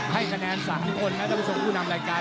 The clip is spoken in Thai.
ให้คะแนน๓คนนะท่านผู้ชมผู้นำรายการ